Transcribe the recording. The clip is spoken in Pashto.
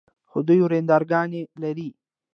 خو دوې ورندرګانې لري.